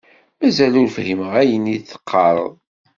Mazal ur fhimeɣ ayen i d-teqqareḍ.